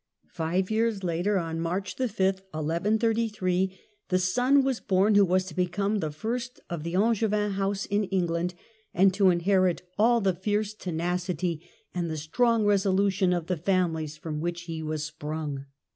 Five years later, on March 5, THE TWO CLAIMANTS. 9 1 133, the son was bom who was to become the first of the Angevin house in England, and to inherit all the fierce tenacity and the strong resolution of the families from which he was sprung.